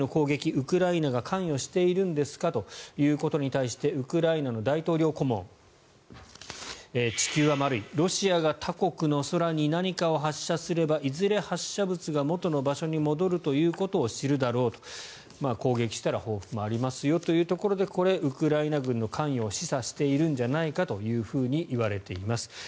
ウクライナが関与しているんですかということに関してウクライナの大統領顧問地球は丸いロシアが他国の空に何かを発射すればいずれ発射物が元の場所に戻るということを知るだろう攻撃したら報復もありますよということでこれ、ウクライナ軍の関与を示唆しているんじゃないかといわれています。